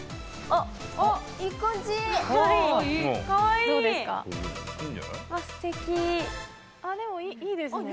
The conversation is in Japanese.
あっでもいいですね。